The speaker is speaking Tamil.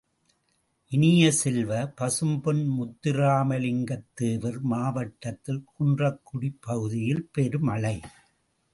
இனிய செல்வ, பசும்பொன் முத்துராமலிங்கத் தேவர் மாவட்டத்தில் குன்றக்குடிப் பகுதியில் பெருமழை!